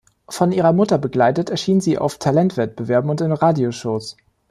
Von ihrer Mutter begleitet, erschien sie auf Talentwettbewerben und in Radio-Shows.